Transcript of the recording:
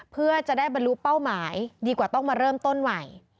เพื่อจะได้บรรลุเป้าหมายดีกว่าต้องมาเริ่มต้นใหม่